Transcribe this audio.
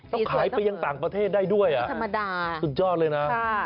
ต้องขายไปยังต่างประเทศได้ด้วยสุดยอดเลยนะพอมีสมดา